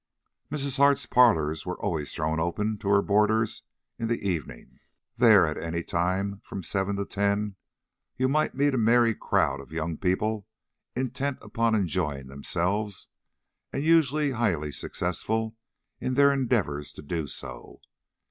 Mrs. Hart's parlors were always thrown open to her boarders in the evening. There, at any time from seven to ten, you might meet a merry crowd of young people intent upon enjoying themselves, and usually highly successful in their endeavors to do so.